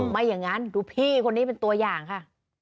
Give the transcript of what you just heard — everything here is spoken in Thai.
ไม่อย่างนั้นดูพี่คนนี้เป็นตัวอย่างค่ะ